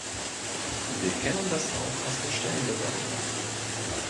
Wir kennen das auch aus den Stellenbewerbungen.